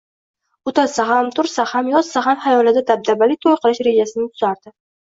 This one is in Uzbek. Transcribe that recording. O`tirsa ham, tursa ham, yotsa ham xayolida dabdabali to`y qilish rejasini tuzardi